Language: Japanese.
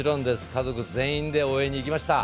家族全員で応援に行きました。